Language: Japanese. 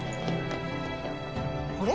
あれ？